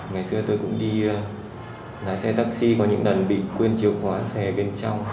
ngày xưa tôi cũng đi lái xe taxi có những lần bị quên chìa khóa xe bên trong